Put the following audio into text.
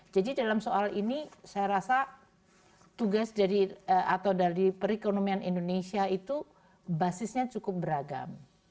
jadi dalam soal ini saya rasa tugas dari perekonomian indonesia itu basisnya cukup beragam